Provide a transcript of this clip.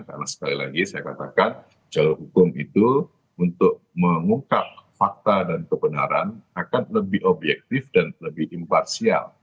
karena sekali lagi saya katakan jalur hukum itu untuk mengungkap fakta dan kebenaran akan lebih objektif dan lebih imparsial